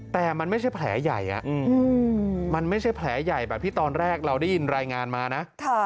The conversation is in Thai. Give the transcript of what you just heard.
แต่มันไม่ใช่แผลใหญ่มันไม่ใช่แผลใหญ่แบบที่ตอนแรกเราได้ยินรายงานมานะ